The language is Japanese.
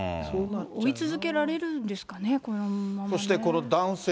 追い続けられるんですかね、このままね。